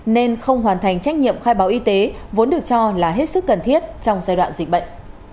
nên không hoàn thành trách nhiệm khai báo y tế vốn được cho là hết sức cần thiết trong giai đoạn dịch bệnh